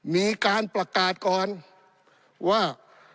มีการประกาศก่อนว่า